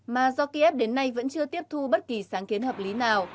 mà do kiev đến nay vẫn chưa tiếp thu bất kỳ sáng kiến hợp lý nào